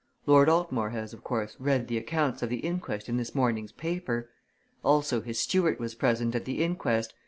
Lord Altmore has, of course, read the accounts of the inquest in this morning's paper. Also his steward was present at the inquest.